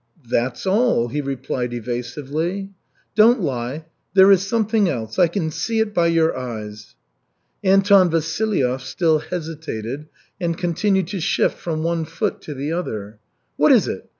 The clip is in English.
"That's all," he replied evasively. "Don't lie. There is something else. I can see it by your eyes." Anton Vasilyev still hesitated and continued to shift from one foot to the other. "What is it?